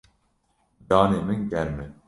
Canê min germ e.